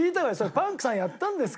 パンクさんやったんですか？